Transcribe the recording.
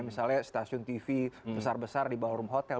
misalnya stasiun tv besar besar di bawah room hotel